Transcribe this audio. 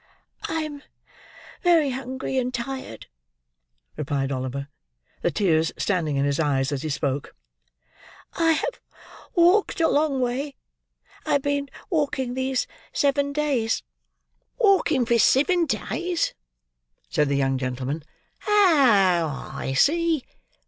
"I am very hungry and tired," replied Oliver: the tears standing in his eyes as he spoke. "I have walked a long way. I have been walking these seven days." "Walking for sivin days!" said the young gentleman. "Oh, I see.